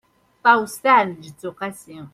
ṭawes taεelǧeţ uqasi